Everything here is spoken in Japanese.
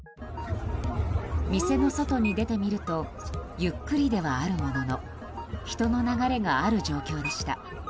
店の外に出てみるとゆっくりではあるものの人の流れがある状況でした。